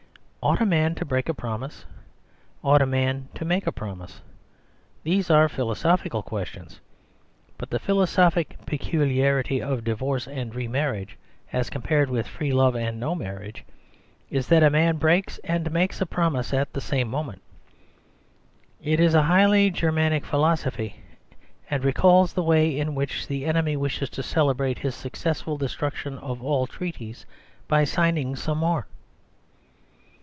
Ought a man to break a promise? Ought a man to make a promise? These are philosophic ques tions; but the philosophic peculiarity of di vorce and re marriage, as compared with free love and no marriage, is that a man breaks and makes a promise at the same moment. It is a highly German philosophy; and recalls the way in which the enemy wishes to cele brate his successful destruction of all treaties by signing some more.